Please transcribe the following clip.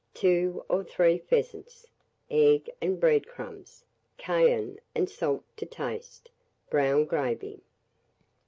2 or 3 pheasants, egg and bread crumbs, cayenne and salt to taste, brown gravy.